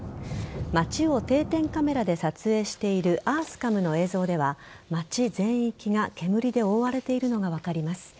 街を定点カメラで撮影したアースカムの映像では街全域が煙で覆われているのが分かります。